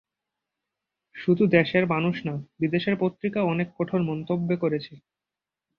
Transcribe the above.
শুধু দেশের মানুষ না, বিদেশের পত্রিকাও অনেক কঠোর মন্তব্য করেছে।